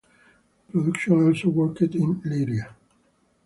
Production also worked in Leiria.